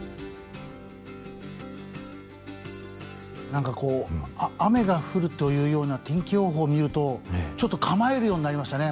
何かこう雨が降るというような天気予報を見るとちょっと構えるようになりましたね